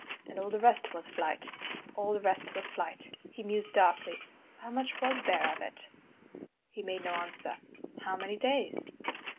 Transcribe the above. "And all the rest was Flight—all the rest was Flight." He mused darkly. "How much was there of it?" He made no answer. "How many days?"